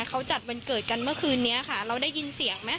เขาจัดวันเกิดกันเมื่อคืนนี้ค่ะเราได้ยินเสียงไหม